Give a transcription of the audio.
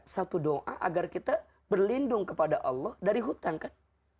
satu doa agar kita berlindung kepada allah dari hutan kan